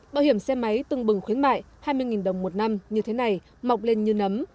bảo hiểm xe máy tưng bừng khuyến mại hai mươi đồng một năm như thế này mọc lên như nấm